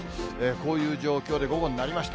こういう状況で午後になりました。